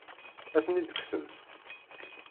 Ad ten-id-kksent?